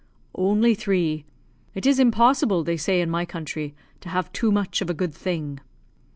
"Only three. It is impossible, they say in my country, to have too much of a good thing."